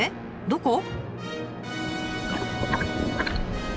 どこ？